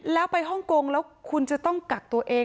แล้วไปฮ่องกงแล้วคุณจะต้องกักตัวเอง